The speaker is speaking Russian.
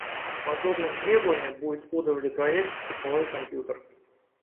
Подобным требованиям будет удовлетворять типовой компьютер